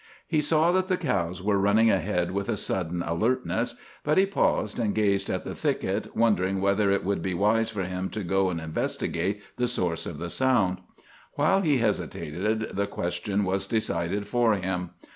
He saw that the cows were running ahead with a sudden alertness, but he paused and gazed at the thicket, wondering whether it would be wise for him to go and investigate the source of the sound. While he hesitated, the question was decided for him.